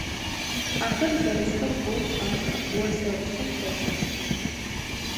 Ахэр зэрысхэр боу фабэ, орзэ гъушъэм хэсых.